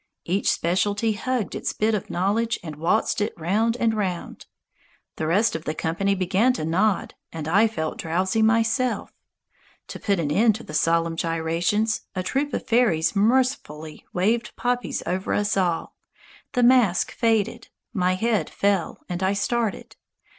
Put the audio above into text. Each speciality hugged its bit of knowledge and waltzed it round and round. The rest of the company began to nod, and I felt drowsy myself. To put an end to the solemn gyrations, a troop of fairies mercifully waved poppies over us all, the masque faded, my head fell, and I started.